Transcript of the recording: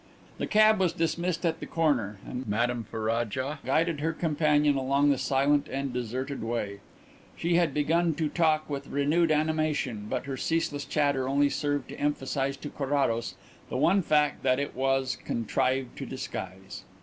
The cab was dismissed at the corner and Madame Ferraja guided her companion along the silent and deserted way. She had begun to talk with renewed animation, but her ceaseless chatter only served to emphasize to Carrados the one fact that it was contrived to disguise.